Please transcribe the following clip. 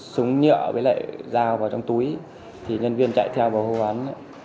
súng nhựa với lại dao vào trong túi thì nhân viên chạy theo vào hô hoán